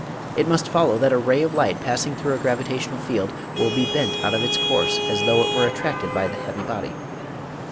It must follow that a ray of light passing through a gravitational field will be bent out of its course as though it were attracted by the heavy body.